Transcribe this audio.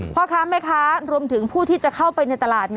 พ่อค้าแม่ค้ารวมถึงผู้ที่จะเข้าไปในตลาด